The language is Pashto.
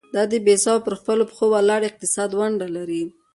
دا د بسیا او پر خپلو پخو ولاړ اقتصاد ونډه لري.